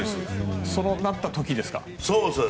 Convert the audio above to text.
そうなった時ですか？